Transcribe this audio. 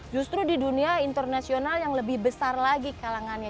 justru di dunia internasional yang lebih besar lagi kalangannya